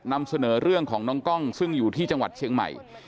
นำเสนอเรื่องของน้องกล้องซึ่งอยู่ที่จังหวัดเชียงใหม่